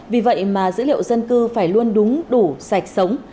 vì vậy mà dữ liệu dân cư phải luôn đúng đủ sạch sống